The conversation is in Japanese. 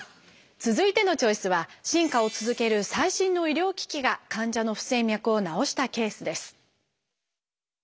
続いてのチョイスは進化を続ける最新の医療機器が患者の不整脈を治したケースです。